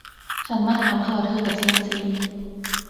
ฉันมาถามข่าวเธอกับเซียมซี ?